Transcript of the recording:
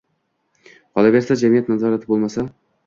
Qolaversa jamiyat nazorati bo‘lmasa